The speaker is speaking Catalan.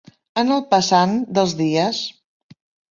En el passant dels dies.